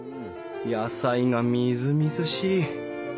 野菜がみずみずしい！